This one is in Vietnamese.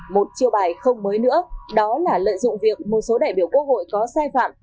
một chiêu bài không mới nữa đó là lợi dụng việc một số đại biểu quốc hội có sai phạm